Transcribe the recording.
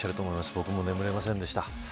僕も眠れませんでした。